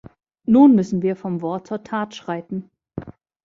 Nun müssen wir vom Wort zur Tat schreiten.